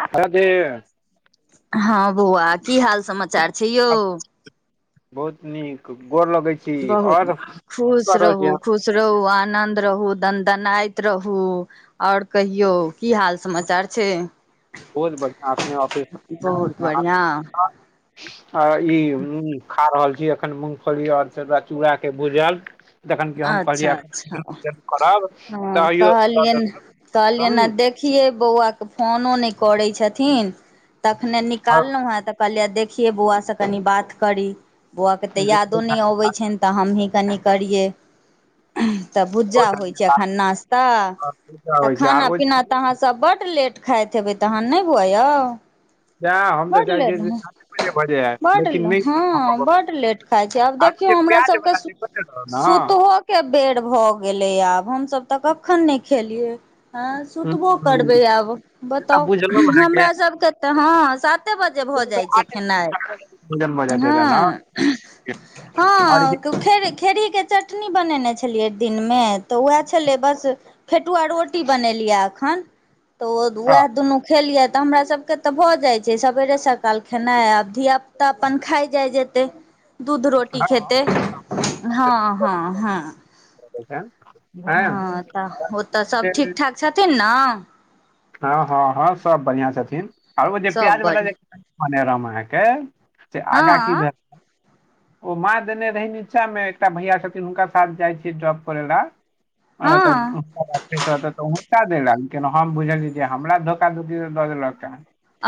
Hello Dev हँ बौआ की हाल समाचार छै यौ बहुत नीक गोर लगै छी बहुत आओर क खुश रहल छी रहू अहाँ? खुश रहू आनन्द रहू दन दनाइत रहू ओर कहियौ की हाल समाचार छै बहुत बढ़िआ अपने औफिस बहुत बढ़िआँ आइ ई खा रहल छी एखन मूँगफली आओर च चूड़ाके भूजल जखन कि हम अच्छा कहलियै एखन अच्छा वीडियो करब हँ तैयो हम कहलियनि कहलियनि देखियै बौआ के फोनो नहि करैय छथिन तखने निकाललहु हे त कहलियै देख देखियै बौआसँ कनि बात करी बौआ के तऽ यादो नहि अबै छनि तऽ हमहि तनि करियै तऽ भुज्जा होइ छै अखन नाास्ता तऽ खाना पीना त अहाँ सब बड लेट खाइत हेबै तहन नहि बौआ यौ तऽ बड चाहै छियै लेट जे साते बजे भऽ जाय बड लेकिन नहि भऽ हँ पबै छै। बड लेट खााय छै आब आरो जे देखियौ हमरा प्याज सब क बला जे कटल रहौ ने सुतहो क बेर भ गेलैय आब हम सब तऽ कखन नहि खेलियै हँ हम्म, सुतबो हम्म, करबै हम्म, आब से तऽ बताउ बुझलहुँ अहाँके हमरा सबके तऽ हँ कते बजे भऽ भोजन जाइ छै खेनाइ भऽ जाइ छै एतऽ ने हँ हँ खे खेरही के चटनी चटनी बनेने छलियै दिन मे तऽ वएह छलै बस फेटुआ रोटी बनेलियै अखन तऽ उएह दुनू खेलियै तऽ हमरा सब के तऽ भऽ जाय छै सबेरे सकाल खेनाइ आब धिया पुता अपन खााय जाय जेतै दूध रोटी खेते हँ हँ हँ हँ तऽ ओ तऽ सभ ठीक ठाक छथिन न हँ हँ हँ सभ बढ़िआँ छथिन आओर ओ जे सब प्याज बाला बढ़िआँ जे कहने रहु अहाँके से आगा की हँ भेल ओ माँ देने रहै नीचाँमे एकटा भैया छथिन हुनका साथ जाइ छियै ड्रॉप करै लए हँ त [unintelligible] [unintelligible] हम बुझली जे हमरा धोखा धोखी दऽ देलक ह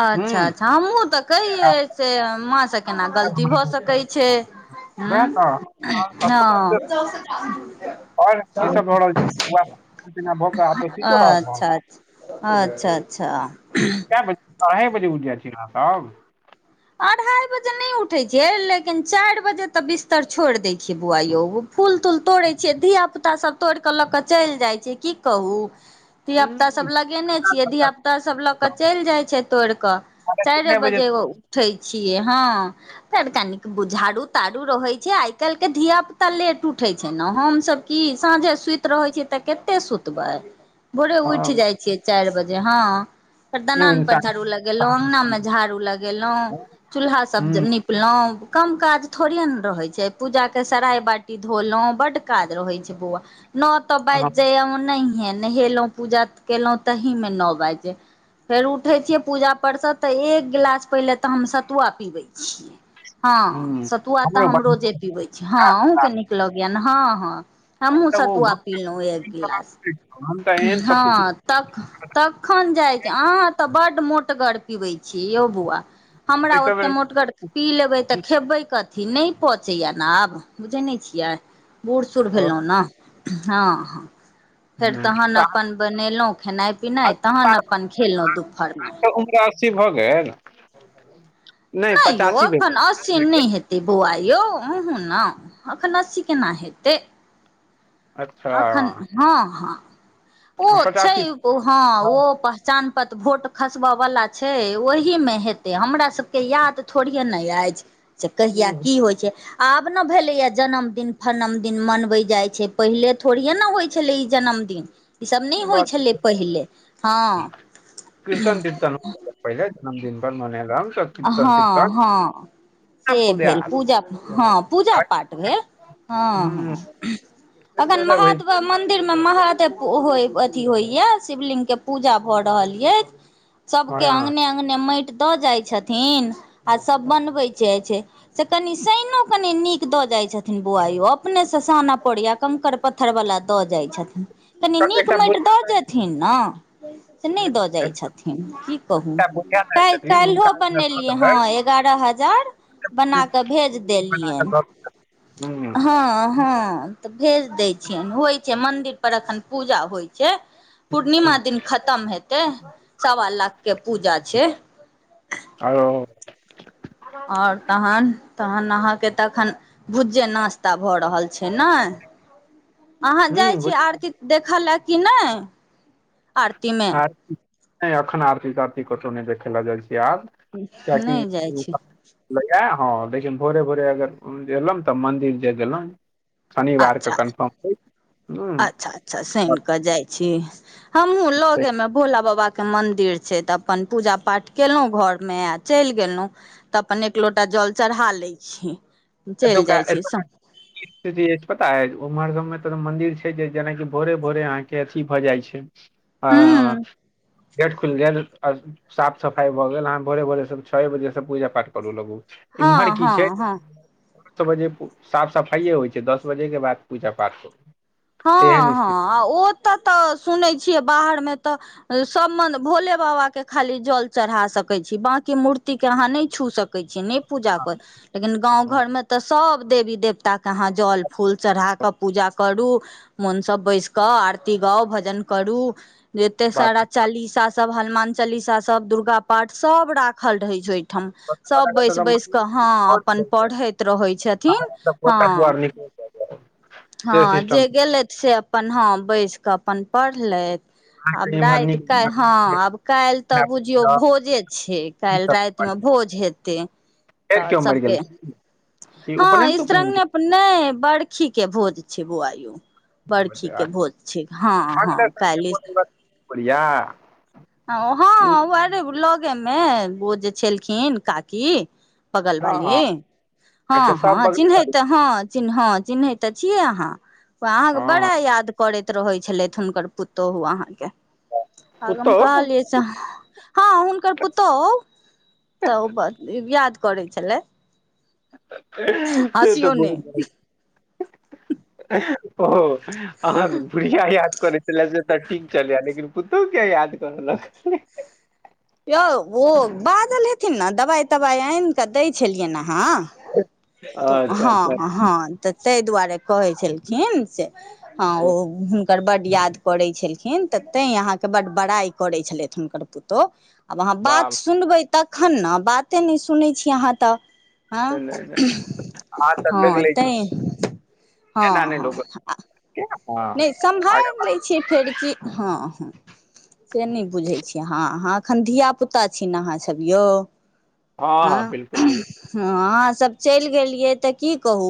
अच्छा अच्छा हमहूँ तऽ कहियै से माँ स केना गलती भऽ सकै छै ह हँ आओर कीसभ भऽ रहल छै बौआ खाना पीना भऽ कऽ आब तऽ सूइतो रहल अच्छा हेएब अच्छा अच्छा अच्छा क्या बजे अरहाय बजे उठै छीअहाँ सब अढ़ाइ बजे नहि उठै छ लेकिन चारि बजे तऽ बिस्तर छोड़ि दै छियै बुआइयो फूल तूल तोड़ै छियै धिया पुता धिय पुता सब तोड़ कऽ लऽ क चलि जाइ छै की कहू हूँ धियापुतासभ लगेने छियै धियापुतासभ लऽ कऽ चलि जाइ छै तोड़ि कऽ चारि कितने बजे तो, ओ छिय हँ फेर कनिक झाड़ू ताड़ू रहै छै आइ काल्हि के धिया पुता लेट उ उठै छै ने हमसभ की साँझे सुति रहै छीियै तऽ कते सुतबै भोरे उठि हाँ, जाइ छियै चारि बजे हँ फेर क्यों दनान पर इंसान झाड़ू लगेलहुं अङंगगना में झाड़ू लगेलहुं हूँ चूल्हा सब हँ निपलहुँं कम काज थोड़े ने रहै छै पूजाके सराय बाटी धोलहुँ बड्ड काज रहै छै बौआ नओ तऽ बाजि जाय नहिये नहेलहुँ पूजा केलहुँं तहि मे नओ बाजि फेर उठै छियै पूजा पर तऽ एक गिलास पहिले तऽ हम सतुआ पीबै छियै हँ हूँ सतुआ तऽ हमरो हम रोजे पीबै छी हँ अहुँ के नीक लगय हँ हँ हँ हमू ओ सतू अपील एक गिलास हम तऽ एहन सत्तू हँ तख तखन जाइ छी अहाँ तऽ बड मोटगर पिबै छीिय यौ बौआ हमरा एके ओते बेर मोटगर पी लेबै तऽ खेबै कते अी नहि पचैय ने आब बुझैत नहि छियै बूढ़ सूढ़ भेलहुँ ने हँ फेर तखन तऽ अपन बनेलहुँ खेनाइ पिनाइ अस्सी तखन पार भऽ गेल, अपन खेलहुँ दुपहरमे [inaudible] [inaudible] नहि यौ पचासी भए एखन असीन गेल नहि हेतै बौआ यौ अहुूँ ने एखन अस्सी केना हेतै अच्छा अखन हँ हँ ओ छै पचासी हँ भऽ ओ गेल। पहचान भोट खसबय वला छै ओहीमे हेतै हमरा सभके याद थोड़िे नहि अछि से कहिआ हम्म, की होइ छै आब ने भेलैएा जन्मदिन फनम दिन मनबै जाइ छै पहिले थोड़िए ने होइ छलै ई जन्मदिन ईसभ नहि होइ बात छलै तऽ सही। पहिले हँ कीर्तन तीर्तन पहिले जन्मदिन पर मने रह हँ हँ इतना से फुलिया भेल पूजा हँ पूजा पाठ भेल हँ ह हँ से अखन सब होइ महाता मन्दिर मन्दिरमे महादेव हो अथी होइया शिवलिङ्गके पूजा भऽ रहल अछि सभके हँ अङंगगने अङंगगने माटि दऽ जाइत छथिन छथिन आ सब बनबैत छै से कनि शइनो कनि नीक दऽ जाइ छथिन बोआल कयो अपने से साना पोड़िया कंकड़ पत्थर वालला दऽ जाइ छथिन कनी नीक एकटा माटि बुढ़िया दऽ जेथिन ने से नहि दाइ दऽ जाइत एकटा छथिन की कहू एकटा बुढ़िया दाइ त छथिन चाल हो हुनका लग दऽ बनेलियै हँ देबै एगारह हजार से बना कऽ भेज फिल्म बना कऽ देलियनि दऽ हम्म हँ हँ तऽ भेज दै छियनि होइ छै मन्दिर पर एखन पूजा होइ छै पूर्णिमा हम्म, दिन खतम हेतै सवा लाखके पूजा छै आरो आओर तहन तहन अहाँ के तऽ एखन भुज्जे नास्ता भऽ रहल छै ने अहाँ जाइ छी ह आरती देखय लए कि नहि आरतीमे नहि एखन आर्तीिक आर्तीिक कचौ नहि खेला जाइ छै ध्यान क्य की नहि जाइ छी भैया हँ लेकिन भोरे भोरे अगर एलहुं तऽ मंन्दिर जे गेलहु शनिवारके अच्छा कन्फर्म हो अच्छा अच्छा सइन कऽ जाई छी हमहुँ लगे में भोला बाबा बाबा के मंदिर छै तऽ अपन पूजा पाठ केलउ घर मे आ चलि गेलों तऽ अपन एकलो लोटा जल चढ़ा लै छी [unintelligible] चलि जाइ छी स मंन्दिर छै जे जेनाकि भोरे भोरे अहाँके अथी भऽ जाइ छै आ हूँ गेट खुलि गेल साफ सफाई भए गेल अह भोरे भोरे सब छओ बजे से पूजा पाठ करु लगु एम्हर हँ की छै हँ हँ दस बजे साफ सफाइए होई छै दस बजेके बाद पूजा पाठ हो हाँ हाँ ओ तऽ तऽ सुनैत छियै बाहरमे भोले बाबा के खाली जल चढ़ा सकै छी बाकी मूर्ति के अहाँ नहि छु छू सकै छ नहि पूजा कर लेकिन गाँव हँ घर मे तऽ सब सब देवी देवता के अहाँ जल फूल चढ़ाके पूजा करु मन सब बैस क आरती गाउ भजन करू एते बात सारा चालीसा सब हनुमान चालीसा सब दुर्गा पाठ सब राखल रहै छै ठाम सभ बैस बैस कऽ हाँ अपन पढ़ैत रहै छथिन हाँ से हाँ जे सिस्टम छै। गेल‌ई से अपन हाँ बैस कऽ अपन पढ़लयै आब अहाँके इम्हर राति नीक काल हाँ आब काल्हि तऽ बुझियौ भोजे छै काल्हि रातिमे भोज हेतै फेर तऽ केओ मरि सबके गेलखिन कि हाँ उपनयन तुपनयन इसरंग के ने नहि बड़खी भोज छै बुआयो बरखी के भोज छै हाँ हाँ काइले बढ़ियां हाँ आरे लगेमे ओ जे छलखिन काकी बगल हँ बाली हँ हाँ सब हाँ उ बगले बाली चिन्हैते हाँ चिन्ह ह चिन्है तऽ छीयै अहाँ अहाँके हँ हँ बड़ा याद कर रहै छलथ हुनकर पुतोहु अहाँके आ पुतोहु कहलियस हाँ हुनकर पुतोहु तऽ याद करै छलै ए तऽ हँसियौ ने बहुत ओ अहाँ के बुढ़िया याद कर छलै जे तऽ ठीक चलिया लेकिन पुतोह किया याद कर ल यौ ओ बाजल हेथिन ने दवाई तवाई आनि कऽ दै छलिय ने हाँ त अच्छा अच्छा हाँ हाँ त ताहि दुआरे कहै छलखिन से ह तो ओ हुनकर ब याद करैत छलखिन तऽ तै अहाँके बड्ड बड़ाइ करैत छलथि हुनकर पुतोहु आब अहाँ बात बाप सुनबै तखन ने बाते नहि सुनैत छी अहाँ तऽ हाँ रे नहि नहि अहाँ तऽ लोकि हाँ लै तै छी हाँ एना नहि हाँ लोक हँ नहि आगाँ सम्भहारि लै छियै फेर की हाँ हाँ से नहि बुझै छियै हँ अहाँ एखन धियापुता छी ने अहाँसभब यौ हँ हाँ हँ बिल्कुल आँ सब चल गेलियौ त की कहूँ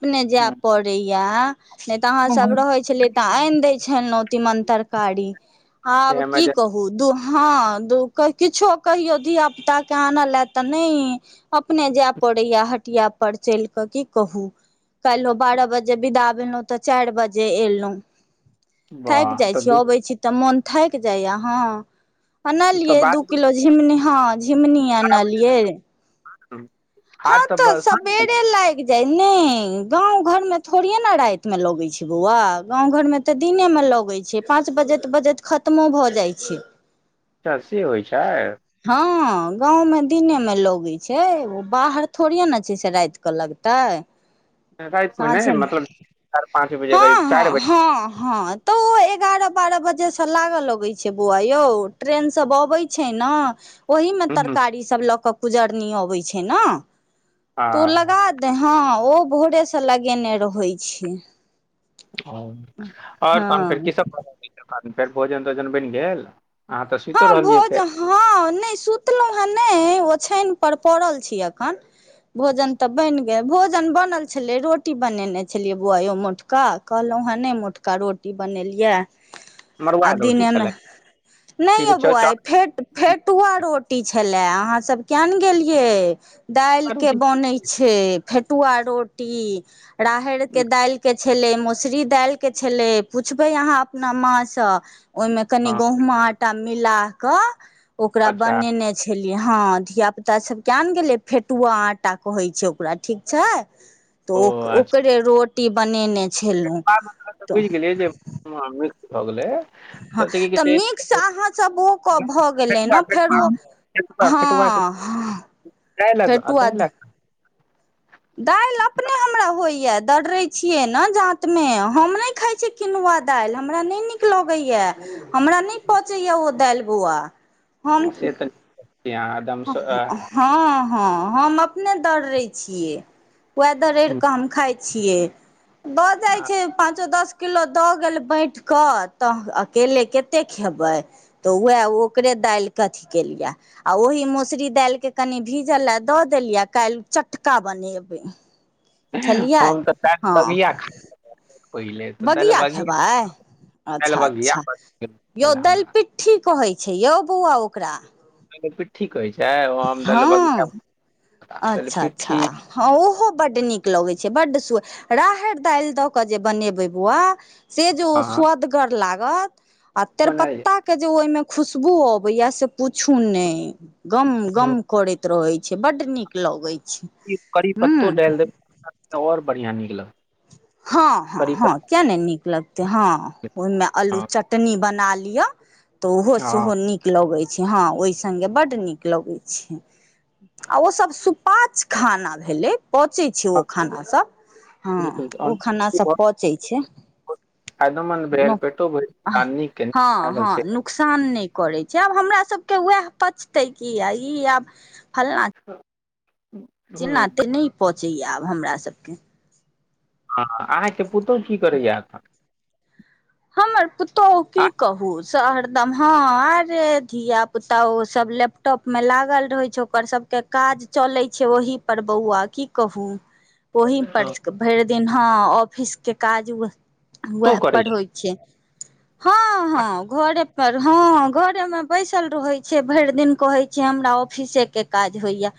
अपने जे बिल्कुल पड़ैया नहि तऽ अहाँसब रहै छलै तऽ आनि दै छलहुँ तीमन तरकारी आब की इमरजेंसी कहू दू हाँ दो किछो कहियो धिया पुता के आनले तऽ नहि अपने जाय पड़े या हटिया पर चल के की कहु कालहो बारह बजे बिदा भैलौ त चार बजे एलउ थाक वाह जाई तऽ छी दू ओबैछी त मोन ठायकि जाइए हँ तऽ आनलियै दू बारह बजे किलो झिङ्ंगुनी हँ झिङ्गुनी आनलियै ह्म हँ तऽ सबेरे लागि जाइ ने गाँव घर मे थोड़िये ने राति मे लगैत छै बौआ गाँव घर मे तऽ दिने मे लगैत छै पाँच बजत बजत खत्मो भऽ जाइ छै अचछा से होइ छै हँ गाँवमे दिनेमे लगैत छै ओ बाहर थोड़े ने छै से रात कऽ लगत त रातमेने मतलब पाँच बजे हँ करीब चारि हँ बजे हँ हँ तऽ ओ एगारह बारह बजे स ल लगै छै बौआ यौ ट्रेन सब अबै छै ने ओहिीमे हँ तरकारी सभ लऽ कऽ गुजरनी अबैत छै ने तू लगा दे हँ ओ भोरेसँ लगेने रहै छै ह आओर तहन फेर हँ कीसभ तहन फेर भोजन तोजन बनि गेल तऽ सुइतो हँ रहलियै भोज फेर हँ नहि सुतलहुं ह ने ओछान पर पड़ल छी अखन भोजन तऽ बनि गेल भोजन बनल छलै रोटी बनेने छलियै बौआयौ मोटका कहलौ हे नहि मोटका रोटी बनेलियै मड़ुआ आ रोटी दिनेमे छलै नहि ठीक यौ छै बौआइ चावल फेट फेटुआ रोटी छले अहाँ सब किया ने गेलियै दालि मड़ुआ के रोटी बनै छै फेटुआ रोटी राहड़ के दालि के छलै मसुरी दालिके छलै पुछबै अहाँ अपना माँसँ ओहि मे कनी हँ गहूमा आटा मिलााक ओकरा अच्छा बनेने छलिय हँ धियापुताभ के ने गेलै फेटुआ आटा कहै छै ओकरा ठीक छै तऽ ओ ओकरे रोटी बनेने छलहुँ तऽ बुझि गेलियै जे मिक्स भऽ गेलै हँ की तऽ कहै मिक्स छै अहाँसभ ओ क भऽ गेलै फेटुआ ने फेटुआ फेरो हँ आ अाइ लाख अ दाइ लाख दालि अपने हमरा होइय दर्रैत छियै ने जाँतमे हम नहि खाइ छी किनुआ दालि हमरा नहि नीक लगैया हमरा नहि पचैए ओ दालि बौआ हम से तऽ हँ एकदमसँ हँ हम अपने दर्रै छियै वदरड़ केऽ हम खााय छियै दऽ जाय छै पाँचो दस किलो दऽ गेल बैट कऽ तऽ अकेले कते खेबै तऽ उएह ओकरे डाल के अथी केलियै आ ओहि मौसरी दाल के कनि भीजल ल दऽ देलियै काल्हि चटका बनेबै छलियै हम तऽ काल हँ बगिया खा ब बगिया खेबै दालि अच्छा बगिया अच्छा बनै यौ छलै हमरा दलि पिट्ठी कहै छै यौ बौआ ओकरा पिट्ठी कहै छै ओम द बगीया हँ अच्छा अच्छा हँ ओहो बड नीक लगै छै बड सु राहर दाल द क बनेब बौआ सेज ओ हाँ स्वदगर ला लागत आ बनायल तेरपत्ता के जे ओहिमे खुशबू अबैया से पूछू ने गम जाय गम करैत रहे छै बड नीक लगे करी पत्तो डाल देबओर बढ़ििया निकला हँ हँ हँ किया ने नीक लगते हँ ओहिमे आल्लू पत्ता चटनी बना ले तऽ उहो हँ सेहो नीक लगे छि हँ ओहि सङगे बड्ड नीक लगै छै आ ओसभ सुपाच खाना भेलै पचै छै ओ खानासभ हँ बिलकुल ओ खानास सभ बहुत पचै छै फायदेमन्द भेल पेटो भरि आ नीक हँ लागल हँ से नुकसान नहि करैतछै आब हमरासबके उएह पचतै कि ई आब फल्लाँ चेना ह तऽ नहि पहुँचैए आब हमरासबके हाँ अहाँके पुतहु की करैयै अखन हमर पुतहु की कहू सँ हरदम ह आरे धिया पुता ओ सब लैपटॉप में लागल रहे छै ओकर सब त काज चलै छै ओहिपर बौआ की कहू ओहि पर अहाँके भरि दिन ह ऑफिस के काज पुतहु वह पर करैया हो छियैहँ हँ घर पर हँ घरे मे बैसल रहै छै भरि दिन कहै छिय हमरा ऑफिसे के काज होइया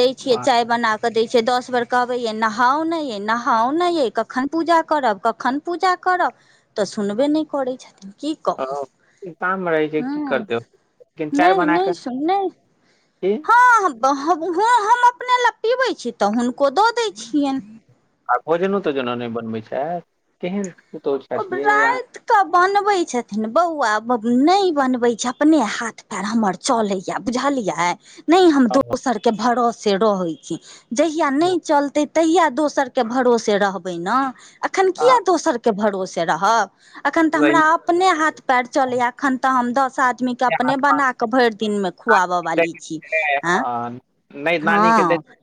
दै छियै चाय बना कऽ दै छियै दस बेर कहबैय नहाउ नहि ये नहाउ नहि ये कखन पूजा करब कखन पूजा करब तऽ सुनबे नहि करै छथिन की कहू काम मे रहै छै की ह्म करतै लेकिन चाय नहि बना नहि कऽ सुन नहि की हँ हब हबु हँ हम अपने लए पीबै छी तऽ हुनको दऽ दै छियेन आ भोजनो तऽ जेना नहि बनबै छै केहन पुतहु अब छथि यै राइत कऽ बनबै छथिन बौआ बब नहि बनबै छै अपने हाथ पैर हमर चलैया बुझलियै नहि हम अहाँ दोसर के भरोसे रहै छी जहिया नहि चलते तहिया दोसरके भरोसे रहबै न अखन आ किया दोसरके भरोसे रहब अखन तऽ हमरा सही अपने हाथ पैर चलैया एखन तऽ हम द सै आदमी के छै अपने हाथ बनाक भैर दिन में खुवाब बाली छि ओ हँ आ नहि नानी के हँ [inaudible]